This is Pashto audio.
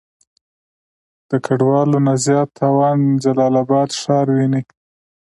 د ګډوالو نه زيات تاوان جلال آباد ښار وينئ.